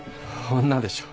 女でしょ。